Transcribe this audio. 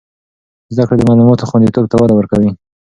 زده کړه د معلوماتو خوندیتوب ته وده ورکوي.